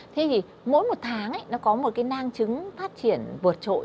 thế thì mỗi một tháng nó có một cái nang chứng phát triển vượt trội